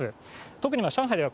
特に上海では、